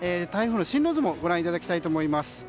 台風の進路図もご覧いただきたいと思います。